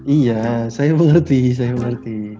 iya saya mengerti saya mengerti